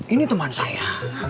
ini teman saya